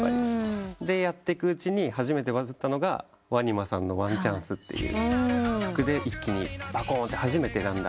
でやってくうちに初めてバズったのがＷＡＮＩＭＡさんの『１ＣＨＡＮＣＥ』って曲で一気にばこーんって初めてホントに。